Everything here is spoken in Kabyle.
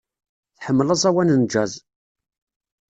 Tḥemmel aẓawan n jazz.